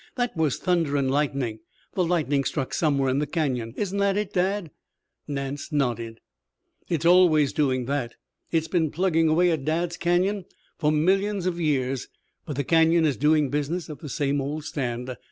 That was thunder and lightning. The lightning struck somewhere in the Canyon. Isn't that it, Dad?" Nance nodded. "It's always doing that. It's been plugging away at Dad's Canyon for millions of years, but the Canyon is doing business at the same old stand.